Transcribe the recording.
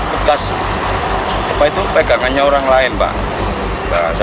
bekas apa itu pegangannya orang lain pak